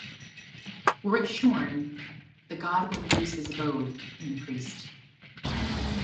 Were it shorn, the god would lose his abode in the priest.